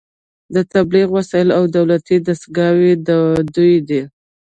د تبلیغ وسایل او دولتي دستګاوې د دوی دي